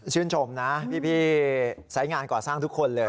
ชื่นชมนะพี่สายงานก่อสร้างทุกคนเลย